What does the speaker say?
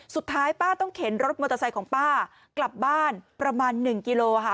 สุดท้ายป้าต้องเข็นรถมอเตอร์ไซค์ของป้ากลับบ้านประมาณ๑กิโลค่ะ